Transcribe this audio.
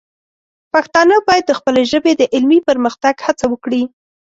پښتانه باید د خپلې ژبې د علمي پرمختګ هڅه وکړي.